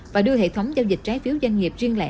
và đưa hệ thống giao dịch trái phiếu doanh nghiệp riêng lẻ